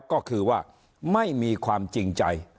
ก็คือว่าไม่มีความจริงใจ